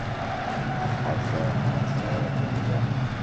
هر څه، هر څه بې انجامه